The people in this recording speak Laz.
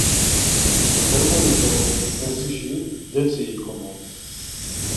Termoni do p̌eǩmezişi detsi ikoman.